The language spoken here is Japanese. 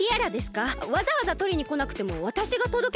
わざわざとりにこなくてもわたしがとどけたのに。